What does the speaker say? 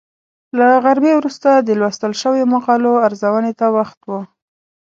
له غرمې وروسته د لوستل شویو مقالو ارزونې ته وخت و.